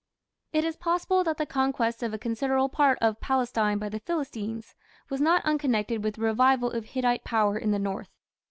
It is possible that the conquest of a considerable part of Palestine by the Philistines was not unconnected with the revival of Hittite power in the north.